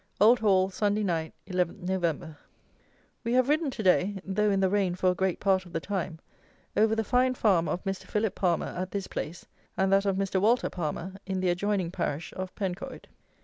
Old Hall, Sunday night, 11 Nov. We have ridden to day, though in the rain for a great part of the time, over the fine farm of Mr. PHILIP PALMER, at this place, and that of Mr. WALTER PALMER, in the adjoining parish of PENCOYD.